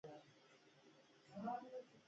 ایا ستاسو چای به تیار نه وي؟